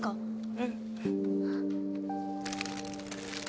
うん。